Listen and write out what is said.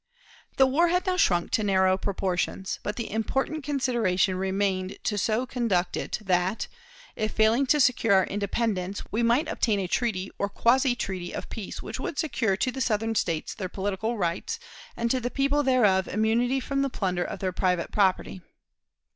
The war had now shrunk into narrow proportions, but the important consideration remained to so conduct it that, if failing to secure our independence, we might obtain a treaty or quasi treaty of peace which would secure to the Southern States their political rights, and to the people thereof immunity from the plunder of their private property.